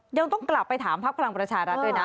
ยังต้องกลับไปถามพักพลังประชารัฐด้วยนะ